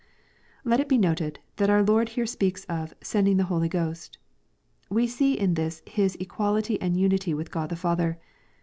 Let it be noted, that our Lord here speaks of "sending the Holy Ghost." We see in this His equality and unity with Qtod the Father.